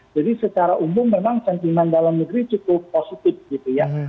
jadi secara umum memang sentimen dalam negeri cukup positif gitu ya